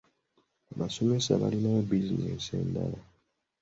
Abasomesa balinayo bizinensi endala.